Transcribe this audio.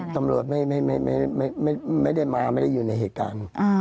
ตำรวจไม่ได้มาไม่ได้อยู่ในเหตุการณ์